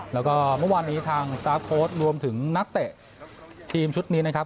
แล้วก็เมื่อวานนี้ทางสตาร์ฟโค้ดรวมถึงนักเตะทีมชุดนี้นะครับ